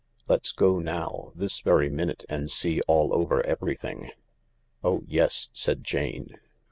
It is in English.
Let's go now, this very minute, and see all over everything." " Oh yes !" said Jane.